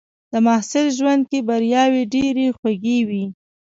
د محصل ژوند کې بریاوې ډېرې خوږې وي.